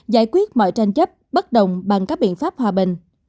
giải quyết mọi tranh chấp bất đồng bằng các biện pháp hòa bình